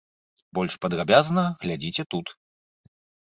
Больш падрабязна глядзіце тут.